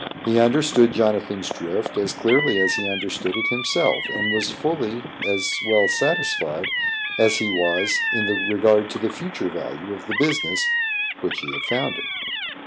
He understood Jonathan's drift as clearly as he understood it himself, and was fully as well satisfied as he was in regard to the future value of the business which he had founded.